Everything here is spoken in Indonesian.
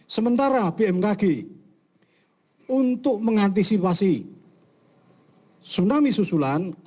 sementara bmkg untuk mengantisipasi tsunami susulan